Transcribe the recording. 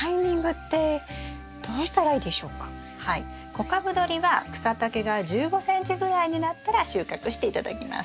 小株どりは草丈が１５ｃｍぐらいになったら収穫して頂きます。